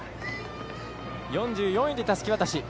４４位でたすき渡し。